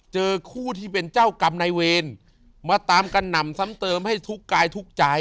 เจอคู่ที่เป็นเจ้ากรรมในเวรมาตามกระหน่ำซ้ำเติมให้ทุกกายทุกข์ใจ